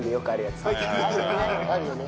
あるよね。